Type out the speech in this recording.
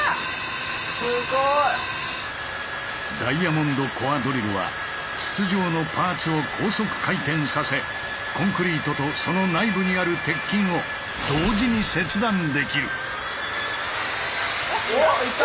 すごい！ダイヤモンドコアドリルは筒状のパーツを高速回転させコンクリートとその内部にある鉄筋をうわいった。